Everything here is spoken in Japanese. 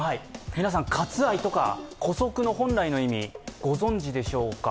皆さん、割愛とか姑息の本来の意味ご存じでしょうか？